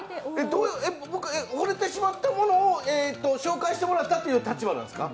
惚れてしまったものを紹介してもらったっていう立場なんですか？